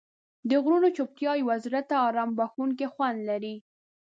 د غرونو چوپتیا یو زړه ته آرام بښونکی خوند لري.